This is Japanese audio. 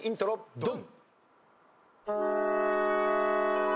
ドン！